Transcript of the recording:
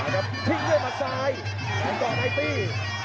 ทิ้งเลือดมาซ้ายและก่อนไอตี้